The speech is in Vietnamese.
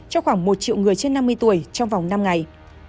cho khoảng một triệu người trên năm mươi tuổi trong vòng năm ngày